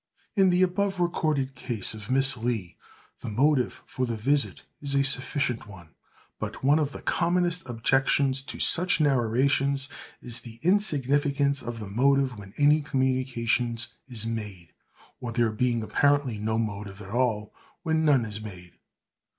In the above recorded case of Miss Lee, the motive for the visit is a sufficient one; but one of the commonest objections to such narrations, is the insignificance of the motive when any communication is made, or there being apparently no motive at all, when none is made.